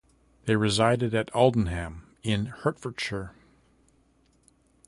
They resided at Aldenham in Hertfordshire.